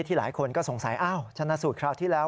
ที่หลายคนก็สงสัยชนะสูดคราวที่แล้ว